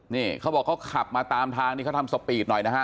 นี่เขาบอกเขาขับมาตามทางนี้เขาทำสปีดหน่อยนะฮะ